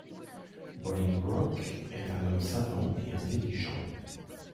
Bolingbroke est un homme savant et intelligent.